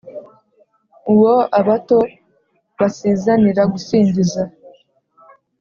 Uwo abato basizanira gusingiza,